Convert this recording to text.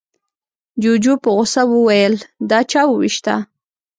جوجو په غوسه وويل، دا چا ووېشته؟